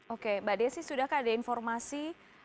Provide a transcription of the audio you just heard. oke mbak desi sudahkah ada informasi